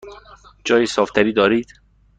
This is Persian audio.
جای صاف تری دارید؟